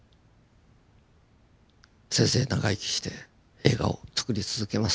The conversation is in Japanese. せいぜい長生きして映画をつくり続けます。